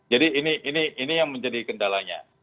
jadi ini yang menjadi kendalanya